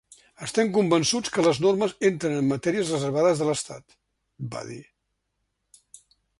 Estem convençuts que les normes entren en matèries reservades de l’estat, va dir.